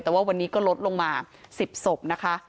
แต่ว่าวันนี้ก็ลดลงมา๑๐ศพนะคะ